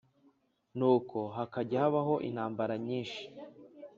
Nuko hakajya habaho intambara nyinshi